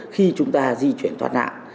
khi chúng ta di chuyển thoát nạn